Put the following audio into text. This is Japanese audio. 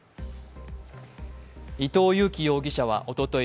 伊藤裕樹容疑者はおととい